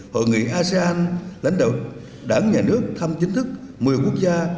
hội nghị asean lãnh đạo đảng nhà nước thăm chính thức một mươi quốc gia